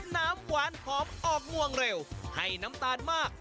น้ำหวานหอมออกงวงเร็วให้น้ำตาลมาก